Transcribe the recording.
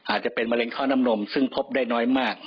อาจจะเป็นมะเร็งท่อน้ำนมซึ่งพบได้น้อยมาก